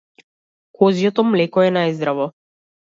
Козјото млеко е најздраво.